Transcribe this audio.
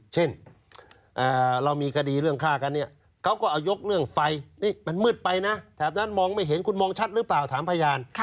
เช่นเรามีคดีเรื่องฆ่ากันเนี่ยเขาก็เอายกเรื่องไฟนี่มันมืดไปนะแถบนั้นมองไม่เห็นคุณมองชัดหรือเปล่าถามพยาน